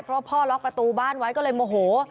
เพราะว่าพ่อล็อกประตูบ้านไว้ก็เลยโมโห